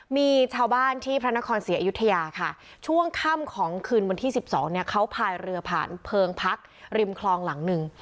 มีชาวบ้านที่พระนครศรีอยุธยาค่ะช่วงค่ำของคืนวันที่๑๒เนี่ยเขาพายเรือผ่านเพลิงพักริมคลองหลังหนึ่ง